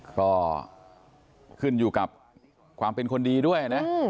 ก็ขึ้นอยู่กับความเป็นคนดีด้วยนะ